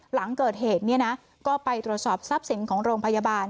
หลังเกิดเหตุก็ไปตรวจสอบทรัพย์สินของโรงพยาบาล